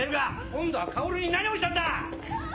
今度は薫に何をしたんだ